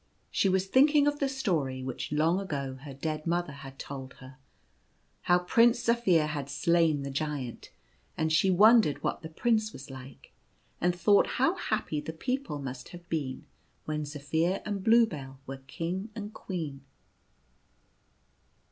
She was thinking of the story which long ago her dead mother had told her, how Prince Zaphir had slain the Giant, and she wondered what the prince was like, and thought how happy the people must have been when Zaphir and Bluebell were king and queen.